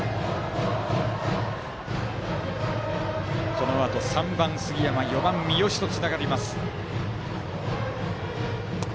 このあと３番の杉山４番の三好とつながります。